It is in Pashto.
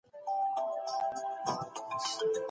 اسلام محدود او عادلانه ملکیت مني.